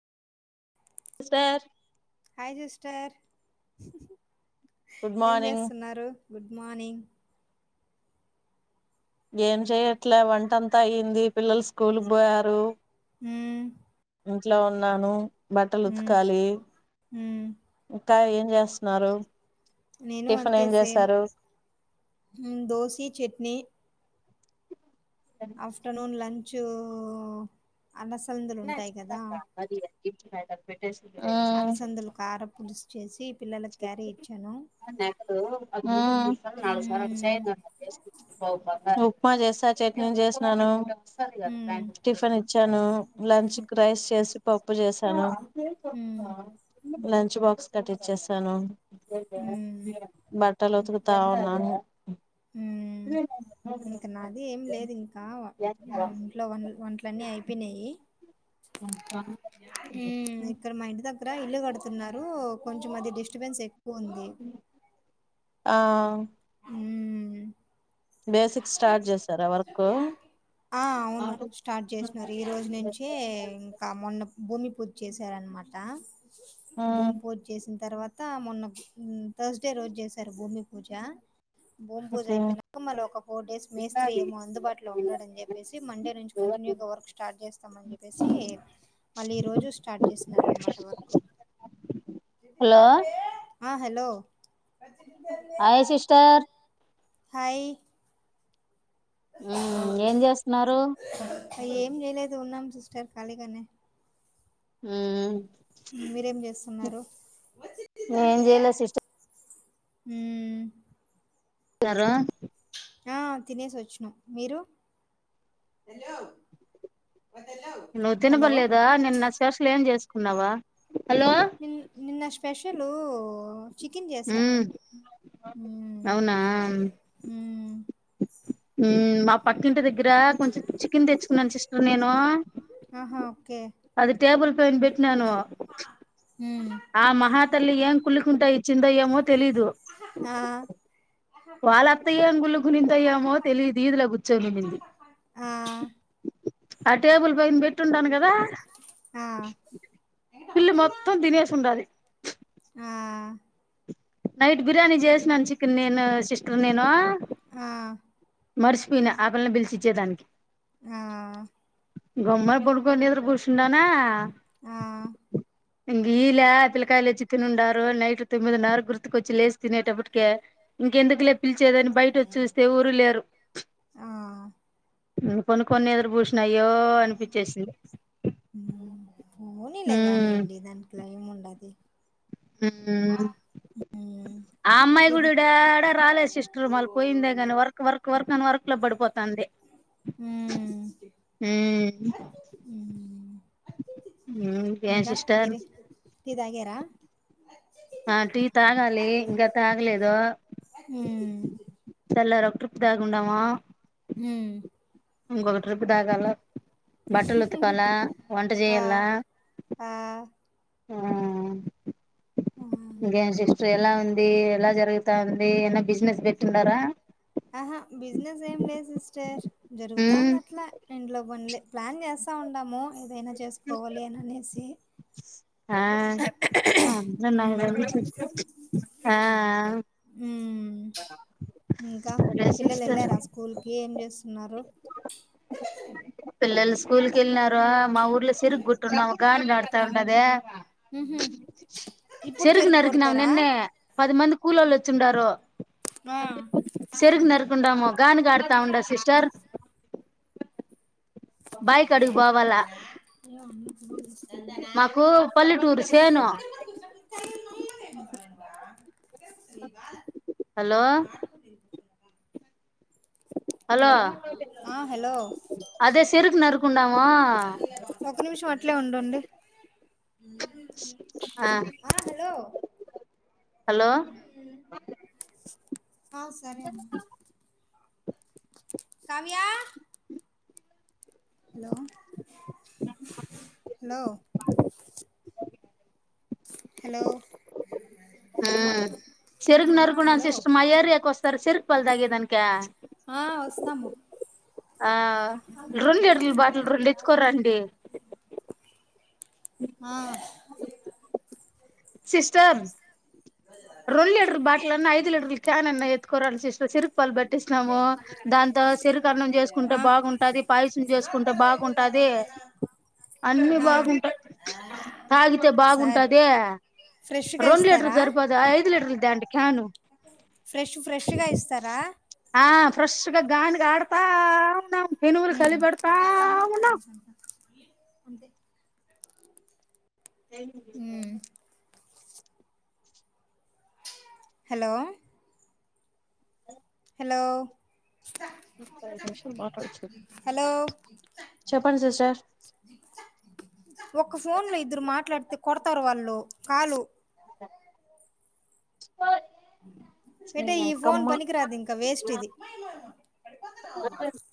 Star hi sister good ఏం morning చేస్తున్నారు good morning ఏం చెయట్లే వంటంతా అయింది పిల్లలు స్కూల్కి పోయారు హ్మ్ ఇంట్లో ఉన్నాను బట్టలు మ్మ్ ఉతకాలి మ్మ్ ఇంకా ఏం చేస్తున్నారు నేను టిఫిన్ అంతే ఏం సేమ్ చేశారు దోశీ చట్నీ ఆఫ్టర్నూన్ లంచూ అల్ల సందుల్ [inaudible] అలసందలు కార పులుసు చేసి పిల్లలకి క్యారీ ఇచ్చాను హ్మ్ అ మ్మ్ ఓ ఉప్మా చేశా చట్నీ చేస్నను మ్మ్ టిఫిన్ ఇచ్చాను ల లంచుకు రైస్ చేసి పప్పు చేశాను హ్మ్ లంచ్ బాక్స్ కట్టిచ్చేసానూ మ్మ్ బట్టలు ఉతుకుతా ఉన్నాను ఇంక నాదీ ఏం లేదు ఇంకా వ హ్మ్ ఇంట్లో వన్ వంట్లన్నీ అయిపోయిన్యాయి హ్మ్ ఇక్కడ మా ఇంటి దగ్గర ఇల్లు కడుతున్నరూ కొంచం అది డిస్ట్ డిస్టబెన్స్ ఎక్కువుందీ ఆ హ్మ్ బేసిక్ స్టార్ట్ చేసారా వర్క్ ఆ అవును స్టార్ట్ జేసినారు ఇయా ఈ రోజు నుంచే ఇంకా మొన్న భూమి పూజ్ చేసారు అనమాటా భూం ఉమ్, పూజ్ చేసిన తర్వా తా మొన్న థర్స్డే రోజు చేసారు భూమి పూజా భూమి పూజ్ ఓకే అపోయినాక మళ ఒక ఒక ఫోర్ డేస్ మేస్త్రీ ఏమో అందుబాట్లో ఉండడు అని జెప్పేసీ మండే నుంచి కంటిన్యూగా వర్క్ స్టార్ట్ చేస్తామ అని జెప్పేసీ మళ్ళీ ఈ రోజు స్టార్ట్ చేస్తున్నారు అనమాటా వర్కూ హలో ఆ హలో హాయ్ సిస్టార్ హయ్ హ్మ్ ఏం చేస్తున్నారు ఏం చేయలేదు ఉన్నాం సిస్టర్ ఖళీగానే హ్మ్ మీరేం జేస్తున్నారూ ఏం చేయలే సిస్టర్ హ్మ్ సరా ఆ తినేసొచ్చినం మీరూ వ తెల్లో నువ్ తినపల్లేదా నిన్న సెర్చ్లో ఏం జేస్కున్నవో హలో నిన్ నిన్న స్పెషలూ చికిన్ జేస్యా ఉమ్ ఊ అవునా ఊ ఉమ్మ్ పక్కింటి దెగ్గరా కొంచె చికెన్ దెచ్చుకున్నాన్ సిస్టర్ నేనూ ఆహా ఓకే అది టేబుల్ పైన్ పెట్న్యానూ మ్మ్ ఆ మహా తల్లి ఏం కుళ్లుకుంటా ఇచ్చిందో ఏమో తెలీదూ ఆ వాళ్ళత్తయ్యంగుళ్లుగునిందో ఏమో తెలీదు ఈదులో కూర్చోంనింది ఆ అ టేబుల్ పైన్ బెట్టుండాన్ గదా ఆ పిల్లి మొత్తం తినేసుండాది ఆ నైట్ బిర్యానీ జేస్నాన్ చికెన్ నేనూ సిస్టర్ నేనూ ఆ మర్సిపోయినా ఆ పిల్లన్ పిలిచిచ్చే దానికి ఆ గమ్మున పడుకొని నిద్ర గూర్శుండానా ఆ ఇంగే ఈలే పిల్లకాయలు వచ్చి తినిండారు నైట్ తొమ్మిదిన్నర గుర్తుకొచ్చి లేచి తినేటప్పటికే ఇంకెందుకు లే పిలిచేదని బయటచ్చి చూస్తే ఎవరు లేరు ఆ ఇక కొన్ని కొన్ని ఎదురు బూషణాయో అనిపించేసింది ఫోనీలే ఉమ్ గానియండి దాట్లో ఏం ఉండది ఊమ్ ఆ అమ్మాయి కిద గుడిడా ఏడ రాలేదు సిస్ రూమల్ పోయిందే కానీ వర్ వర్క్ వర్క్ అని వర్క్ లో పడిపో తందే మ్మ్ ఉమ్ మ్మ్ ఏం ఇంకా సిస్టర్ మీరే టీ తాగేరా ఆ టీ తాగాలి ఇంకా తాగలేదు ఉమ్మ్ తెల్లారి ఒక రట్రిప్ తాగెండమా ఉమ్ ఇంకొక ట్రిప్పు తాగాల బట్టలు ఉతుకాల వంట ఆ చేయాల ఆ ఆ ఆ ఇన్గేమ్ సిస్టర్ ఎలా ఉంది ఎలా జరుగుతా ఉంది ఎన్న బిజినెస్ పెట్టిన్నారా ఆహా బిజినెస్ ఏం లేదు సిస్టర్ ఉమ్ జరుగుతాంది అట్లా ఇంట్లో పనులే ప్లాన్ చేస్తా ఉంటాము ఏదైనా చేసుకోవాలి అని అనేసి ఆ నాకు హ్మ్ తెలియదు సిస్టర్ ఆ హ్మ్ ఇంకా సరే పిల్లలు సిస్టర్ వెళ్ళారా స్కూల్కి ఏం చేస్తున్నారు పిలోల్లు స్కూల్ కిల్నారు మా ఊర్లో సిరుగు కుట్టి నవు గగాడి నడతాన్నదే హహ చెరుకి నరికినం నిన్నే పది మంది కూలళ్ళ వచ్చి ఉంటారు ఆ చెరుకు నరకకుండా మొగానికి కడుతా ఉండా సిస్టర్ బాయకాటికి పోవాల ఏయ్ అదేనా మాకు పల్లెటూరు చేను ఏమనవా హలో హలో! ఆ హలో! అదే చెరుకు నరుకుండాము ఒక నిమిషం అట్లే ఉండండి. ఆ హలో! హలో ఆ సరే నవ్యా హలో హలో ఆ చెరుకు ఆ నరుక్కొనేసి హలో ఇష్టమయ్యాక వస్తారా? చెరుకు పాలు తాగేదానికి. ఆ వస్తాము ఆ రెండు లీటర్ బాటల్లో రెండు ఎత్తుకొని రండి. ఆ సిస్టర్ రెండు లీటర్ బాటిల్ అన్నా ఐదు లీటర్ క్యాన్ ఎత్కో రా సిస్టర్. చెరకు పాలు పట్టిస్తా. మేము దాంతో చెరుకు అన్నం చేసుకుంటే ఆ బాగుంటాది. పాయసం చేసుకుంటే బాగుంటాది. అన్నీ ఆ బాగుంటాయి. తాగితే సరే బాగుంటాది. ఫ్రెష్గా రెండు ఇస్తారా లీటర్లురిపోదు, ఆ ఐదు లీటర్లు తాండి క్యాను. ఫ్రెష్ ఫ్రెష్గా ఇస్తారా? ఆ ఫ్రెష్గా గానుగ ఆడతా ఉన్నాము. ఎనుములు ఉమ్ పనిపడతా ఉన్నాము. మ్ హలో హలో ఒకే హలో చెప్పండి సిస్టర్ ఒక ఫోన్ లో ఇద్దరు మాట్లాడితే కొడతారు. వాళ్ళు కాలు ఓయ్ పెట్టేయ్ ఈ ఫోన్ పనికిరాదు ఇంకా వేస్ట్ ఇది.